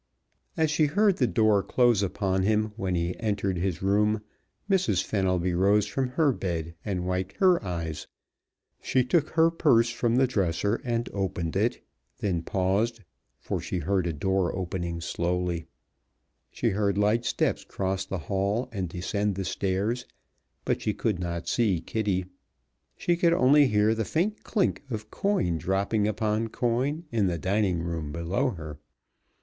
As she heard the door close upon him when he entered his room Mrs. Fenelby rose from her bed and wiped her eyes. She took her purse from the dresser and opened it, then paused for she heard a door opening slowly. She heard light steps cross the hall and descend the stairs, but she could not see Kitty. She could only hear the faint click of coin dropping upon coin in the dining room below her.